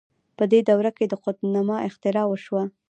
په دې دوره کې د قطب نماء اختراع وشوه.